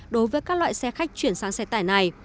đối với các loại xe khách chuyển sang xe tải này